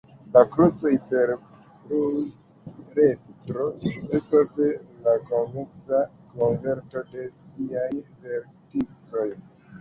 La kruco-hiperpluredro estas la konveksa koverto de siaj verticoj.